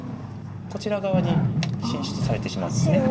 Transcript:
こちら側に進出されてしまうんです。